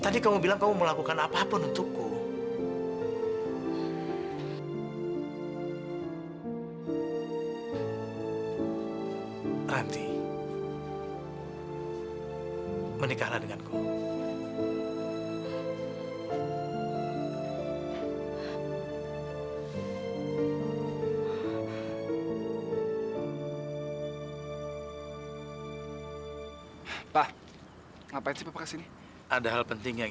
sampai jumpa di video selanjutnya